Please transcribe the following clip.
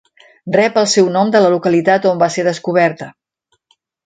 Rep el seu nom de la localitat on va ser descoberta.